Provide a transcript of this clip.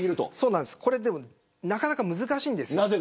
でも、なかなか難しいんですよ。